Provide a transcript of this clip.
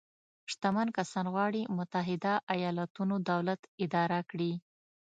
شتمن کسان غواړي متحده ایالتونو دولت اداره کړي.